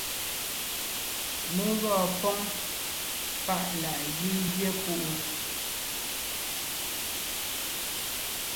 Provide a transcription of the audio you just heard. Mé gɔɔn póŋ páʼ láʼ gí gyɛ́ púʼu.